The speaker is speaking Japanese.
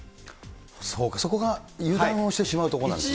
そうか、そこが油断をしてしまうところなんですね。